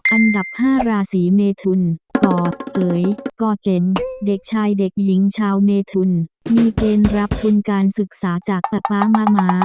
อันดับ๕ราศีเมทุนก่อเอ๋ยก่อเก่งเด็กชายเด็กหญิงชาวเมทุนมีเกณฑ์รับทุนการศึกษาจากป๊าป๊ามา